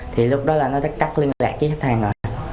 thì lúc đó là nó đã cắt liên lạc với khách hàng rồi